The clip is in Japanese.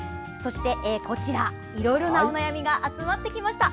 こちら、いろいろなお悩みが集まってきました。